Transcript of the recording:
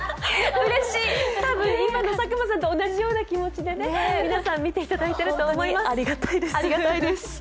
うれしい、今の佐久間さんと同じような気持ちで皆さん見ていただいているかと思います、ありがたいです。